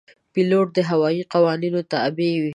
پیلوټ د هوايي قوانینو تابع وي.